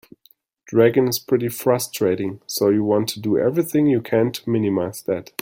Dragon is pretty frustrating, so you want to do everything you can to minimize that.